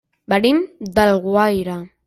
Venim d'Alguaire.